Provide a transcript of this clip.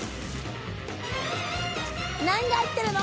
何が入ってるの？